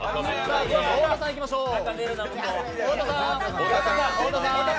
太田さん、いきましょう、太田さん。